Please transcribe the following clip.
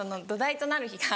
「土台となる日」？